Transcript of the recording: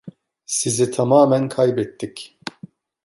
Sizi tamamen kaybettik.